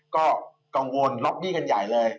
ก็กังวลล็อบบี้กันใหญ่เลย